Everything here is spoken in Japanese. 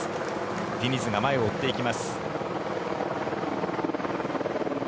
ディニズが前を追っていきます。